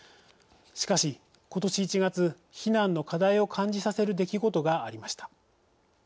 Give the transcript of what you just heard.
しかし、ことし１月避難の課題を感じさせる出来事がありました。